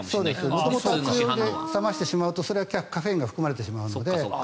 元々熱いお湯で冷ましてしまうとそれはカフェインが含まれてしまうので。